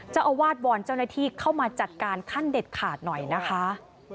เจ้าอาวาสวอนเจ้าหน้าที่เข้ามาจัดการขั้นเด็ดขาดหน่อยนะคะ